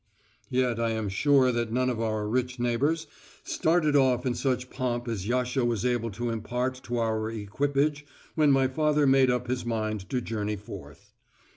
Yet I am sure that none of our rich neighbours started off in such pomp as Yasha was able to impart to our equipage when my father made up his mind to journey forth.